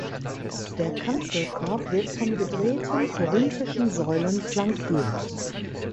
Der Kanzelkorb wird von gedrehten korinthischen Säulen flankiert.